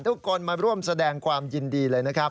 ทุกคนมาร่วมแสดงความยินดีเลยนะครับ